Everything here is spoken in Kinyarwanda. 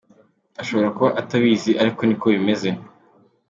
Ashobora kuba atabizi, ariko niko bimeze!” .